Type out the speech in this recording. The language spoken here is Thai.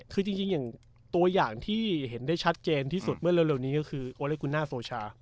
คือจริงอย่างตัวอย่างที่เห็นได้ชัดเจนที่สุดเมื่อเร็วนี้ก็คือโอลิกุณาโฟชา